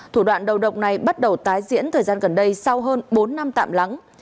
thủ đoạn đầu độc này bắt đầu tái diễn thời gian gần đây sau hơn bốn năm tạm lắng